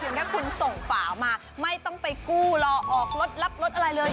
ถ้าคุณส่งฝามาไม่ต้องไปกู้รอออกรถรับรถอะไรเลย